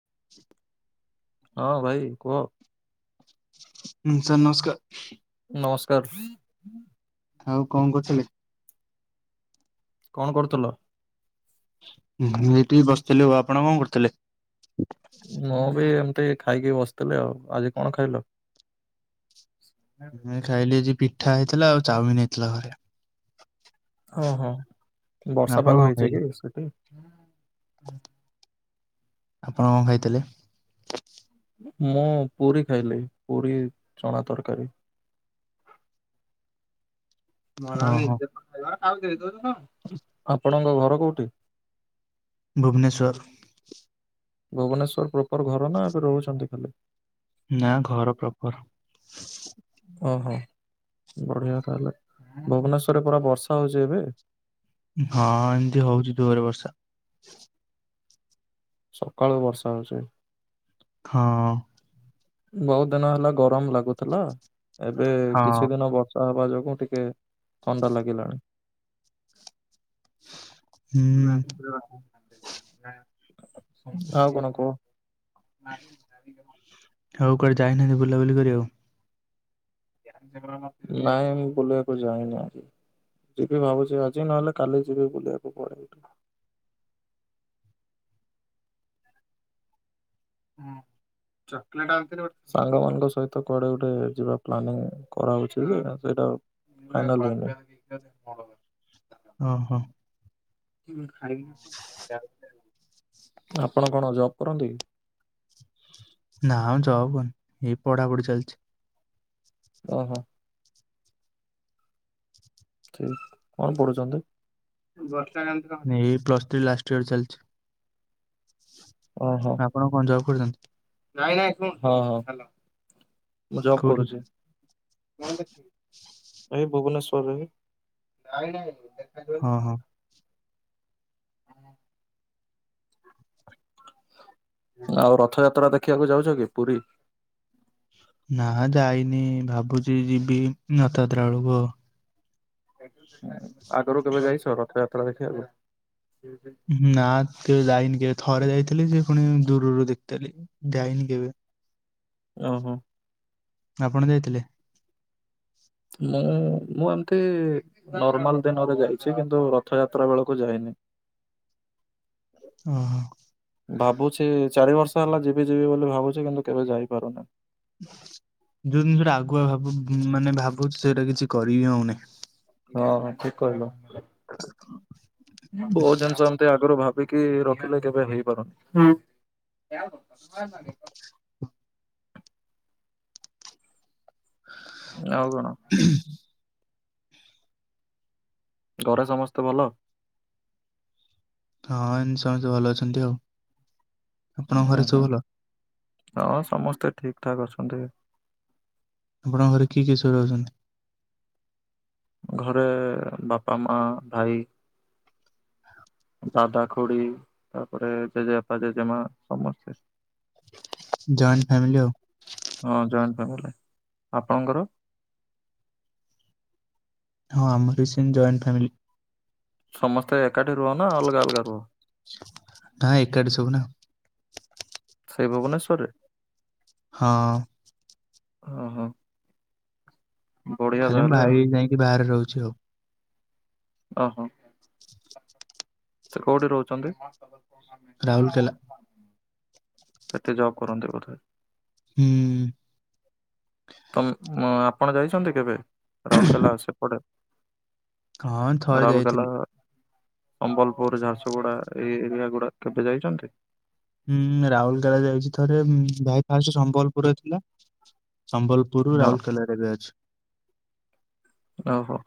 [inaudible] ହଁ ଭାଇ କୁହ। ହଁ ସାର୍ ନମସ୍କାର। ନମସ୍କାର। ଆଉ କଁ କରୁଛ କି? କଣ କରୁଥିଲ? ଇଭିନିଂ ରେ ଟିକେ ବସିଥିଲି ଆଉ ଆପଣ କଣ କରୁଥିଲେ? ମୁଁ ବି ଏମତି ଖାଇକି ବସିଥିଲି ଆଉ, ଆଜି କଣ ଖାଇଲ? ମୁଁ ବି ଖାଇଲି ଆଜି ପିଠା ହେଇଥିଲା ଆଉ ଚାଉମିନ୍ ହେଇଥିଲା ଘରେ। ହଁ ହଁ। ବର୍ଷା ଆପଣ କଣ ପାଗ ହେଇଛି ଖାଇଲେ? କି ସେଠି? ଆପଣ କଣ ଖାଇଥିଲେ? ମୁଁ ପୁରୀ ଖାଇଲି ପୁରୀ ଚଣା ତରକାରୀ। ଓହୋ ଆପଣଙ୍କ ଘର କୋଉଠି? ଭୁବନେଶ୍ୱର। ଭୁବନେଶ୍ୱର ପ୍ରପର ଘର ନା ଏବେ ରହୁଛନ୍ତି ଖାଲି? ନା ଘର ପ୍ରପର। ଓହୋ ବଢ଼ିଆ ତାହେଲେ। ଭୁବନେଶ୍ଵରରେ ପରା ବର୍ଷା ହୋଉଛି ଏବେ? ହଁ ଏମତି ହଉଛି ଯୋରରେ ବର୍ଷା। ସକାଳୁ ବର୍ଷା ହୋଉଚି? ହଁ। ବହୁତ ଦିନ ହେଲା ଗରମ ଲାଗୁଥିଲା। ଏବେ ହଁ କିଛି ଦିନ ବର୍ଷ ତା ହେବା ଯୋଗୁଁ ଟିକେ ଥଣ୍ଡା ଲାଗିଲାଣି। ହୁଁ ଆଉ କଣ କୁହ? [unintelligible] ଆଉ କୁଆଡେ ଯାଇନାହାନ୍ତି ବୁଲା ବୁଲି କରିବାକୁ? ନାଇଁ ମୁଁ ବୁଲିବାକୁ ଯାଇନି ଆଜି। ଯିବି ଭାବୁଛି ଆଜି ନହଲେ କାଲି ଯିବି ବୁଲିବାକୁ କୁଆଡେ ଗୋଟେ। ହଁ ଚକଲେଟ ଆଣି ଥିଲି ଗୋ ସାଙ୍ଗମାନଙ୍କ ସହିତ କୁଆଡେ ଗୋଟେ ଯିବା ପ୍ଲାନିଂ କରାହଉଛି ଯେ ସେଇଟା। ଫାଇନାଲ୍ ହେଇନି। ଓହୋ। ଆପଣ କଣ ଜବ୍ କରନ୍ତି କି? ନା ମ ଯବ୍ କରିନି ଏଇ ପଢାପଢି ଚାଲଛି। ଓହୋ। ଠିକ୍ କଣ ପଢୁଛନ୍ତି? ଏ ବର୍ଷାକାନ୍ତ ର। ଏଇ ପ୍ଲସ୍ ଥ୍ରୀ ଲାଷ୍ଟ ଇୟର ଚାଲଛି। ଓହୋ। ଆପଣ କଣ ଜବ୍ କରିଛନ୍ତି। ହଁ ମୁଁ ଜବ୍ କୋଉଠି? କରୁଚି। ଏଇ ଭୁବନେଶ୍ଵରରେ। ହଁ ହଁ ଆଉ ରଥଯାତ୍ରା ଦେଖିବାକୁ ଯାଉଛ କି ପୁରୀ? ନା ଯାଇନି ଭାବୁଚି ଯିବି ନଥଯାତ୍ରା ବଳୁକୁ ଆଉ। ଆଗରୁ କେବେ ଯାଇଛ ରଥଯାତ୍ରା ଦେଖିବାକୁ? ଉହୁଁ ନା କେବେ ଯାଇନି କେବେ ଥରେ ଯାଇଥିଲି ସେ ଫୁଣି ଦୂରରୁ ଦେଖଥେଲି ଯାଇନି କେବେ। ଓହୋ। ଆପଣ ଯାଇଥିଲେ? ମୁଁ ମୁଁ ଏମତି। ନର୍ମାଲ ଦିନରେ ଯାଇଛି କିନ୍ତୁ ରଥଯାତ୍ରା ବେଳକୁ ଯାଇନି। ଓହୋ। ଭାବୁଛି ଚାରି ବର୍ଷ ହେଲା ଯିବି ଯିବି ବୋଲି ଭାବୁଛି କିନ୍ତୁ କେବେ ଯାଇପାରୁନି। ଯୋଉ ଜିନିଷଟା ଆଗୁଆ ଭାବୁ ମାନେ ଭାବୁଛି ସେଇଟା କିଛି କରିହିଁ ହଉନି। ହଁ ହଁ ଠିକ କହିଲୁ ବହୁତ୍ ଜିନିଷ ଏମତି ଆଗରୁ ଭା ଭାବିକି ରଖିଲେ କେବେ ହେଇପାରୁନି ହୁଁ। [inaudible] ଆଉ କଣ? [unintelligible] ଘରେ ସମସ୍ତେ ଭଲ? ହଁ ଏମତି ସମସ୍ତେ ଭଲ ଅଛନ୍ତି ଆଉ। ଆପଣଙ୍କ ଘରେ ଉହୁଁ ସବୁ ଭଲ? ହଁ ସମସ୍ତେ ଠିକ ଠାକ୍ ଅଛନ୍ତି। ଆପଣଙ୍କ ଘରେ କିଏ କିଏ ସବୁ ରହୁଛନ୍ତି? ଘରେ ବାପା ମା ଭାଇ। ଦାଦା ଖୁଡି ତାପରେ ଜେଜେବାପା ଜେଜେମା ସମସ୍ତେ। ଜଏଣ୍ଟ ଫ୍ୟାମିଲି ଆଉ। ହଁ ଜଏଣ୍ଟ ଫ୍ୟାମିଲି ଆପଣଙ୍କର? ହଁ ଆମର ବି ସେମ୍ ଜଏଣ୍ଟ ଫ୍ୟାମିଲି। ସମସ୍ତେ ଏକାଠି ରୁହ ନା ଅଲଗା ଅଲଗା ରୁହ? ନା ଏକାଠି ସବୁ ନା। ସେଇ ଭୁବନେଶ୍ୱର ରେ? ହଁ। ଓ ହୋ। ଖାଲି ମୋ ଭାଇ ଯାଇକି ବାହାରେ ରହୁଛି ଆଉ। ଓହୋ। ସେ କୋଉଠି ରହୁଛନ୍ତି? ରାଉରକେଲା ସେଠି ଜବ୍ କରନ୍ତି ବୋଧେ। ହୁଁ। ତ ଅ ଆପଣ ଯାଇଛନ୍ତି କେବେ ରାଉରକେଲା ସେପଟେ? ହଁ ଥରେ ଯାଇଥିଲି। ରାଉଲକେଲା-ଆ ସମ୍ବଲପୁର, ଝାରସୁଗୁଡା ଏଇ ଏରିଆ ଗୁଡା କେବେ ଯାଇଛନ୍ତି? ହୁଁ ରାଉଲକେଳା ଯାଇଛି ଥରେ ଭାଇ ଫାଷ୍ଟ ସମ୍ବଲପୁରରେ ଥିଲା ସମ୍ବଲ ପୁରୁ ହଁ ରାଉରକେଲାରେ ରେ ଏ ଅଛି। ଓହୋ।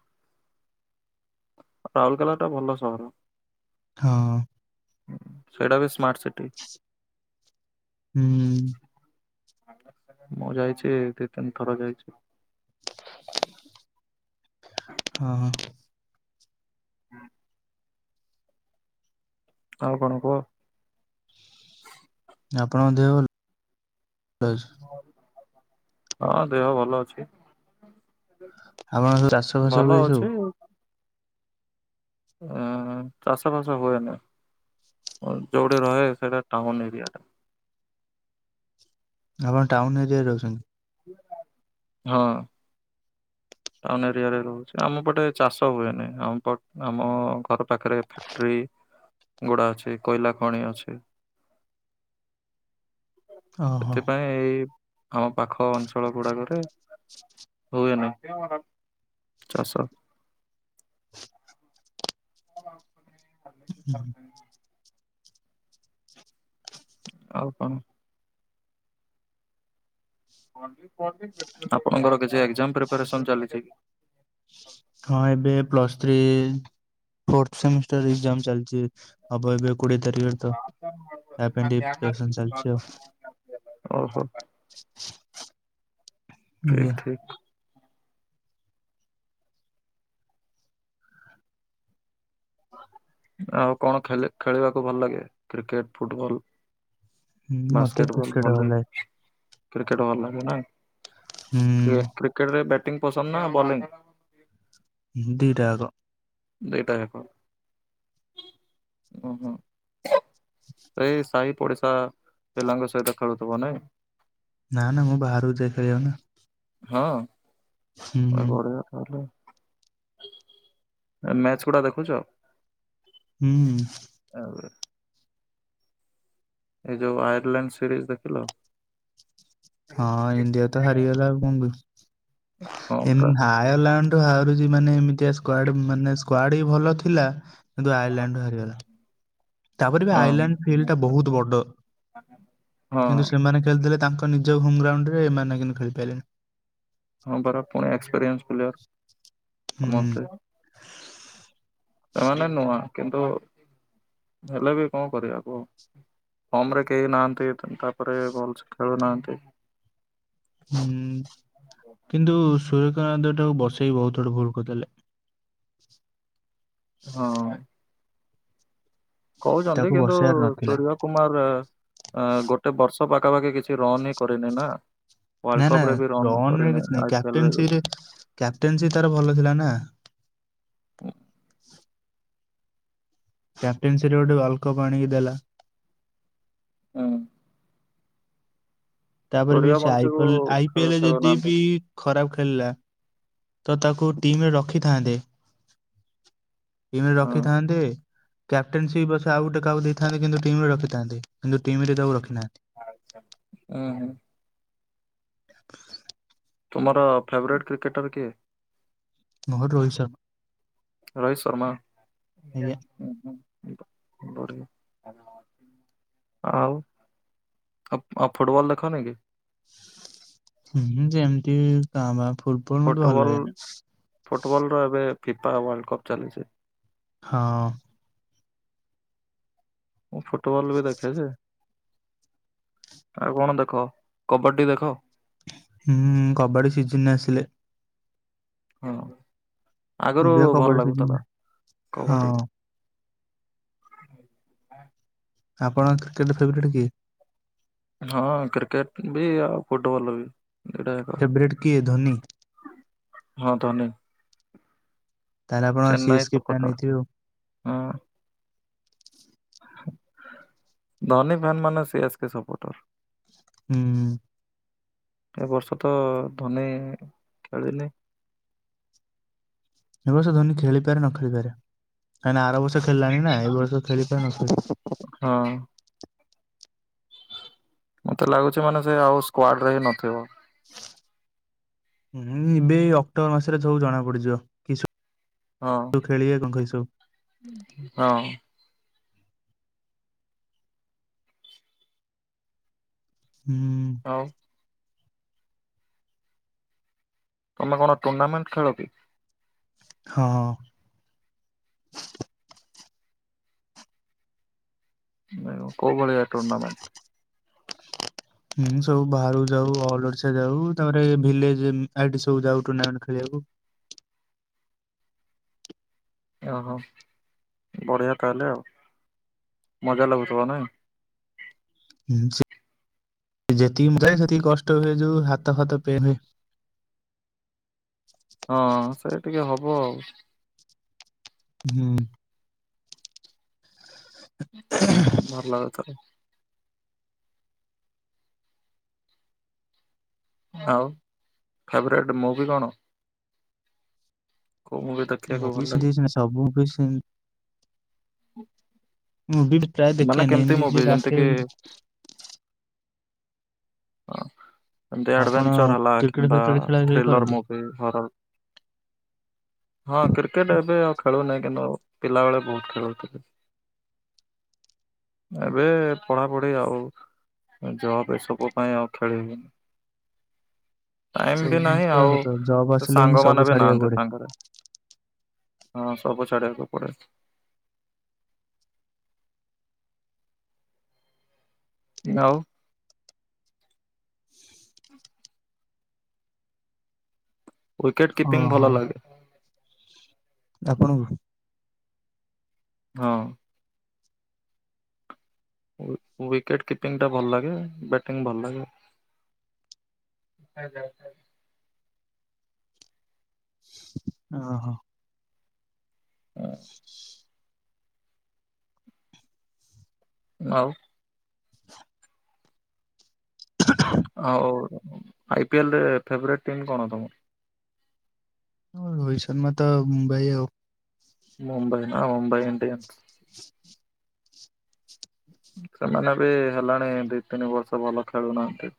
ରାଉରକେଲା ଟା ଭଲ ସହର। ହଁ। ସେଇଟା ବି ସ୍ମାର୍ଟ ସିଟି। ହୁଁ। ମୁଁ ଯାଇଛି ଦି ତିନି ଥର ଯାଇଛି। ହଁ ହଁ। ହୁଁ। ଆଉ କଣ କୁହ? ଆପଣଙ୍କ ଦେହ ଭ ଲ ଅଛି? ହଁ ଦେହ ଭଲ ଅଛି। ଆପଣ ସବୁ ଚାଷ ଫାସ ହୁଏ ଭଲ ସବୁ? ଅଛି। ଅ-ଅ-ଅ ଚାଷ ଫାସ ହୁଏନି ଯୋଉଠି ରହେ ସେଇଟା ଟାଉନ ଏରିଆ ଟା। ଆପଣ ଟାଉନ ଏରିଆରେ ରହୁଛନ୍ତି? ହଁ। ଟାଉନ ଏରିଆରେ ରହୁଛି। ଆମ ପଟେ ଚାଷ ହୁଏନି ଆମ ପ ଆମ ଘର ପାଖରେ ଫ ଅକ୍ଟ୍ରି ଗୁଡା ଅଛି କୋଇଲା ଖଣି ଅଛି। ଓହୋ। ସେଥିପାଇଁ ଏଇ ଆମ ପାଖ ଅଞ୍ଚଳ ଗୁଡାକରେ ହୁଏନା ଚାଶ। [unintelligible] ଆଉ କଣ ଆପଣଙ୍କର କିଛି ଏକ୍ଜାମ ପ୍ରିପରେସନ ଚାଲିଛି କି? ହଁ ଏବେ plus three fourth semester exam ଚାଲିଛି ହବ ଏବେ କୋଡିଏ ତାରିଖ ଆଡ଼କୁ। ଚ ଆ ପାଇଁ ଡ଼ିପ୍ରେସନ ଚାଲିଛି ଆଉ। ଓହୋ ଠିକ୍ ଆଜ୍ଞା। ଠିକ୍। ଆଉ କଣ ଖେ ଖେଳିବାକୁ ଭଲ ଲାଗେ କ୍ରିକେଟ, ଫୁଟବଲ? ହୁଁ ମତେ ବାସ୍କେଟ ବଲ୍ କ୍ରିକେଟ ଭଲ ଲାଗେ। କ୍ରିକେଟ ଭଲ ଲାଗେ ନା, କ୍ରି କ୍ରିକେଟରେ ବ୍ୟାଟିଂ ପସନ୍ଦ ନା ବୋଲିଂ? ଦିଟା ଆକ। ଦିଇଟା ହେକ। ହ ହଁ ଏ ଇ ସାହି ପଡିଶା ପିଲାଙ୍କ ସହିତ ଖେଳୁଥିବ ନାଇଁ। ନାଁ ନାଁ ମୁଁ ବାହାରକୁ ଯାଏ ଖେଳିବାକୁ ନା। ହଁ ହୁଁ ଭାଇ ହୁଁ। ବଢିଆ ତାହେଲେ। ଭାଇ ମ୍ୟାଚ ଗୁଡା ଦେଖୁଛ। ହୁଁ। ଆଉ। ଏଇ ଯୋଉ ଆୟାରଲାଣ୍ଡ ସିରିଜ୍ ଦେଖିଲ। ହଁ ଇଣ୍ଡିଆ ତ ହାରିଗଲା ଆଉ କଣ ହଁ ପୁରା କରିବା ଆୟାରଲ୍ୟାଣ୍ଡ ହାରୁଛି ମାନେ ଏମିତିଆ ସ୍କ୍ବାଡ ମାନେ ସ୍କ୍ବାଡ ବି ଭଲ ଥିଲା। କିନ୍ତୁ ଆୟରଲାଣ୍ଡ ଠୁ ହାରିଗଲା। ତାପରେ ବି ହଁ ଆୟରଲାଣ୍ଡ ଫିଲ୍ଡ ଟା ବହୁତ ବଡ କିନ୍ତୁ ହଁ। ସେମାନେ ଖେଳିଥିଲେ ତାଙ୍କ ନିଜ ହୋମ ଗ୍ରାଉଣ୍ଡ ରେ ଏମାନେ କିନ୍ତୁ ଖେଳି ପାଇଲେଣି। ହଁ ପରା ପୁଣି ଏକ୍ସପିରିଏନ୍ସ ପ୍ଲେୟର ହୁଁ ସମସ୍ତେ। ଏମାନେ ନୂଆ କିନ୍ତୁ ହେଲେ ବି କଣ କରିବା କୁହ। ଫର୍ମ ରେ କେହି ନାହାଁନ୍ତି। ତାପରେ ଭଲସେ ଖେଳୁ ନାହାଁନ୍ତି। ହୁଁ କିନ୍ତୁ ସୁର୍ଯ୍ୟକାନ୍ତ ଟାକୁ ବସେଇ ବହୁତ ବଡ ଭୁଲ୍ କରିଦେଲେ। ହଁ। କହୁଚନ୍ତି। ତାକୁ କିନ୍ତୁ ବସେଇବାର ନଥିଲା ସୁରିୟ କୁମାର ଗୋଟେ ବର୍ଷ ପାଖାପାଖି କିଛି ରନ୍ ହିଁ କରିନି ନା। ୱାର୍ଲଡ ନା ନା କପ ରେ ବି ରନ୍ ରନରେ କରିନି କିଛି ନାହିଁ ଆଇ ପି ଏଲ ରେ କ୍ୟାପଟେନ ବି ସିପ କ୍ୟାପଟେନ ସିପ ତାର ଭଲ ଥିଲା ନା। କ୍ୟାପଟେନ ସି ରେ ଗୋଟେ ୱାଲକପ ଆଣିକି ଦେଲା। ଉଁ। ତାପରେ ବି ତୋରିବା ସେ ବଂଶୀକୁ ଆଇପଲ୍ ଖେଳ ଆଇପିଏଲ୍ ଯଦି ଖେଳୁନାହାନ୍ତି ବି ଖରାପ ଖେଳିଲା। ତ ତାକୁ ଟିମରେ ରଖିଥାନ୍ତେ। ଟିମ ରେ ହଁ। ରଖିଥାନ୍ତେ। କ୍ୟାପ୍ଟେନ୍ ସିପ ପଛେ ଆଉ ଗୋଟେ କାହାକୁ ଦେଇଥାନ୍ତେ। କିନ୍ତୁ ଟିମିରେ ରଖିଥାନ୍ତେ। କିନ୍ତୁ ଟିମିରେ ତାକୁ ରଖିନାହାନ୍ତି। ଆଛା ‌ଉଁହୁଁ। ତୁମର ଫେବରେଟ୍ କ୍ରିକେଟର କିଏ? ମୋର ରୋହିତ ଶର୍ମା। ରୋହିତ ଶର୍ମା ଆଜ୍ଞା ବଢିଆ। ଆଉ ଆ ଫୁଟ୍ ଫୁଟବଲ୍ ଦେଖନି କି? ହୁଁ ଯେମିତି କାଁ ଭାଁ ଫୁଟ ଫୁଟବଲ୍ ଫୁଟବଲ୍ ର ଏବେ ଫିଫା ୱାର୍ଲଡ କପ୍ ଚାଲିଛି। ହଁ। ମୁଁ ଫୁଟବଲ ବି ଦେଖେ ଯେ। ଆଉ କଣ ଦେଖ। କବାଟି ଦେଖ? ହୁଁ କବାଡି ସିଜିନ୍ ଆସିଲେ। ହଁ ଆଗରୁ ଏବେ ଭଲ କବାଡି ଲାଗୁଥିଲା ସିଜିନ ହଁ କବାଡି। ଆପଣଙ୍କ କ୍ରିକେଟ ଫେବରେଟ୍ କିଏ? ହଁ କ୍ରିକେଟ ବି ଆଉ ଫୁଟବଲ ବି। ଦିଟା ଯାକ ଫେବରେଟ କିଏ? ଧୋନି। ହଁ ଧନୀ। ତାହେଲେ ଆପଣ Chennai CS K fan supporter ହେଇଥିବେ ଆଉ। ହଁ। ଧନୀ ଫ୍ୟାନ ମାନେ ସିଏସ୍ କେ ସପୋର୍ଟର। ହୁଁ। ଏ ବର୍ଷ ତ ଧୋନୀ ଖେଳିନି। ଏ ବର୍ଷ ଧୋନି ଖେଳିପାରେ ନ ଖେଳିପାରେ, କାହିଁ ନା ଆରବର୍ଷ ଖେଳିଲାଣି ନା ଏ ବର୍ଷ ଖେଳିପାରେ ନ ଖେଳିପାରେ। ହଁ ମତେ ଲାଗୁଛି ମାନେ ସେ ଆଉ ସ୍କ୍ୱାଡ଼ରେ ହିଁ ନଥିବ। ହୁଁ ଏବେ ଏଇ ଅକ୍ଟୋବର ମାସରେ ସବୁ ଜଣା ପଡିଯିବ, କିସ - - ହଁ ତୁ ଖେଳିବେ କଣ ଖାଇ ଶୋଉ? ହଁ ହୁଁ ଆଉ ତମେ କଣ ଟୁର୍ଣ୍ଣାମେଣ୍ଟ ଖେଳ କି? ହଁ, ହଁ। [unintelligible] କୋଉ ଭଳିଆ ଟୁର୍ଣ୍ଣାମେଣ୍ଟ? ହୁଁ ହୁଁ ସବୁ ବାହାରକୁ ଯାଉ ଅଲ୍ ଓଡ଼ିଶା ଯାଉ ତାପରେ ଏ ଭିଲେଜ୍ ଏମ୍ ଆଇଟି ସବୁ ଯାଉ ଟୁର୍ଣ୍ଣାମେଣ୍ଟ୍ ଖେଳିବାକୁ। ଓହୋ ବଢ଼ିଆ ତାହେଲେ ଆଉ ମଜା ଲାଗୁଥିବ ନାଇଁ? ହୁଁ ସେ ଯେତିକି ମୁଁ ଯାଏ ସେତିକି କଷ୍ଟ ହୁଏ ଯୋଉ ହାତ ଫାତ ପେନ୍ ହୁଏ। ହଁ ସେ ଟିକେ ହବ ଆଉ। ହୁଁ। [unintelligible] ଭଲ ଆଉ ଥରେ। ଆଉ ଫେବ୍ରାଇଟ୍ ମୁଭି କଣ? କଉ ମୁଭି ଦେ ମୁଭି ସେମତି କିଛି ନାଇ ସବୁ ମୁଭି ସେମ୍। ହୁଁ। ମୁଭି ପ୍ରାଏ ଦେଖେନି ଏମିତି ଯିଏ ଯେମିତି ଡାକେ କି ଅ ଏମତି ଆପଣ ଆଡ୍ଭେଞ୍ଚର୍ ହେଲା କ୍ରିକେଟ କିମ୍ବା ଫ୍ରିକେଟ ଖେଳା ଖେଳି ଥ୍ରିଲର୍ କରନ୍ତି? ମୁଭି ହର ହଁ କ୍ରିକେଟ୍ ଏବେ ଆଉ ଖେଳୁନାହିଁ କିନ୍ତୁ ପିଲାବେଳେ ବହୁତ୍ ଖେଳୁଥିଲି। ଏବେ ପଢ଼ାପଢି ଆଉ ଜବ୍ ଏସବୁ। ପାଇଁ ଆଉ ଖେଳିବିନି। ଟାଇମ୍ ବି ସେମିତି ନାହିଁ ତ ଆଉ ସତ ଜବ୍ ସେ ଆସିଲେ ହିଁ ସବୁ ସାଙ୍ଗମାନେ ବି ଛାଡିବାକୁ ନାହାନ୍ତି ପଡେ ସାଙ୍ଗରେ ହଁ ସବୁ ଛାଡିବାକୁ ପଡେ। [unintelligible] ୱିକେଟ୍ କିପିଙ୍ଗ୍ ଓହୋ। ଭଲ ଲାଗେ। ଆପଣଙ୍କୁ? ହଁ। ଉ ୱିକେଟ୍ କିପିଙ୍ଗ୍ ଟା ଭଲ୍ ଲାଗେ, ବ୍ୟାଟିଂ ଭଲ ଲାଗେ।। [unintelligible] ଅ, ହଁ। ନାଉ [unintelligible] ଆଉ ଆଇ ପିଏଲେରେ ଫେବ୍ରାଇଟ୍ ଟିମ୍ କଣ ତମର? ଆମ ରୋହିତ୍ ଶର୍ମା ତ ମୁମ୍ବାଇ ଆଉ। ମୁମ୍ବାଇ ନା ମୁମ୍ବାଇ ଇଣ୍ଡିୟାଂସ? ସେମାନେ ବି ହେଲାଣି ଦି ତିନି ବର୍ଷ ଭଲ ଖେଳୁନାହାନ୍ତି।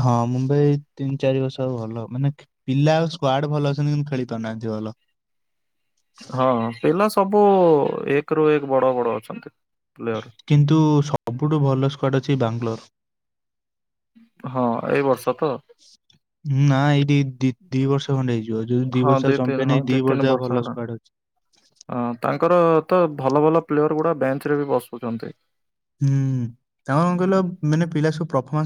ହଁ ମୁଁ ତ ଏଇ ତିନି ଚାରି ବର୍ଷ ଭଲ ମାନେ କେ ପିଲା ସ୍କ୍ୱାଡ୍ ଭଲ ଅଛନ୍ତି କିନ୍ତୁ ଖେଳି ପାରୁନାହାନ୍ତି ଭଲ। ହଁ ପିଲା ସବୁ ଏକ ରୁ ଏକ ବଡ଼ ବଡ଼ ଅଛନ୍ତି ପ୍ଲେୟାର୍। କିନ୍ତୁ ସବୁଠୁ ଭଲ ସ୍କ୍ବାଡ୍ ଅଛି ବାଙ୍ଗଲୋର୍। ହଁ ଏଇ ବର୍ଷ ତ? ନା ଏଇଠି ଦି ଦି ବର୍ଷ ଖଣ୍ଡେ ହେଇଯିବ। ଯୋଉ ଦି ହଁ ବର୍ଷ ର ଦୁଇ ତିନି ଚମ୍ପିଆନ୍ ହଁ ହେଇ ଦି ପଟ ତିନି ଯାକ ବର୍ଷ ଭଲ ହେଲାଣି। ସ୍କ୍ବାଡ୍ ଭଲ ଅଛି। ହଁ ତାଙ୍କର ତ ଭଲ ଭଲ ପ୍ଲେୟର୍ ଗୁଡା ବେଞ୍ଚ୍ ରେ ବି ବସୁଛନ୍ତି। ହୁଁ, ତାଙ୍କ ର କଣ କହିଲ ମାନେ ପିଲା ସବୁ ପ୍ରଫମାନ୍ସ